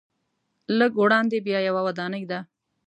لږ وړاندې بیا یوه ودانۍ ده.